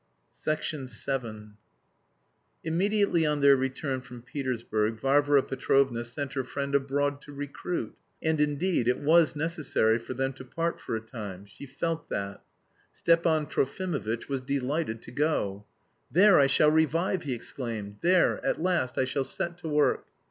VII Immediately on their return from Petersburg Varvara Petrovna sent her friend abroad to "recruit"; and, indeed, it was necessary for them to part for a time, she felt that. Stepan Trofimovitch was delighted to go. "There I shall revive!" he exclaimed. "There, at last, I shall set to work!"